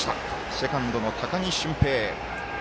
セカンドの高木馴平。